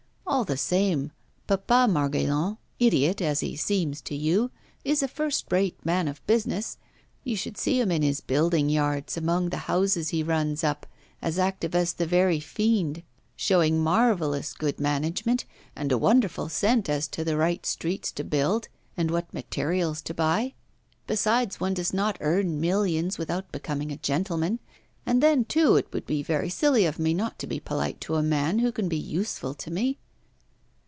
'All the same, Papa Margaillan, idiot as he seems to you, is a first rate man of business. You should see him in his building yards, among the houses he runs up, as active as the very fiend, showing marvellous good management, and a wonderful scent as to the right streets to build and what materials to buy! Besides, one does not earn millions without becoming a gentleman. And then, too, it would be very silly of me not to be polite to a man who can be useful to me.